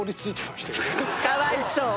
かわいそう。